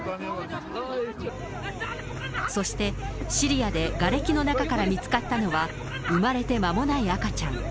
そしてシリアでがれきの中から見つかったのは、産まれて間もない赤ちゃん。